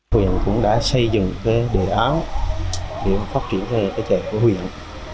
quyền cũng đã xây dựng đề áo để phát triển cái trẻ của huyền